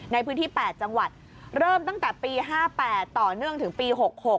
ในพื้นที่๘จังหวัดเริ่มตั้งแต่ปี๕๘ต่อเนื่องถึงปี๖๖